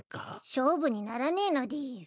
勝負にならねえのでぃす。